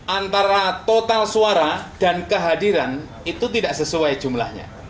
antara total suara dan kehadiran itu tidak sesuai jumlahnya